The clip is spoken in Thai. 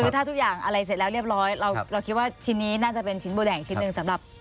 คือถ้าทุกอย่างอะไรเสร็จแล้วเรียบร้อยเราคิดว่าชิ้นนี้น่าจะเป็นชิ้นโบแดงชิ้นหนึ่งสำหรับ